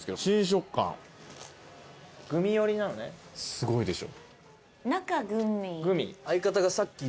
すごいでしょ？